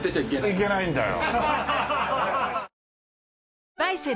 いけないんだよ。